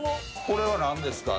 これは何ですか？